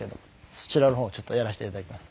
そちらの方ちょっとやらせて頂きます。